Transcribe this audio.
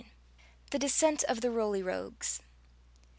THE DESCENT OF THE ROLY ROGUES.